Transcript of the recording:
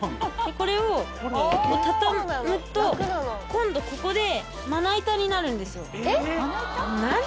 これを今度ここでまな板になるんですよ。